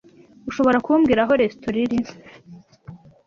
Ushobora kumbwira aho resitora iri?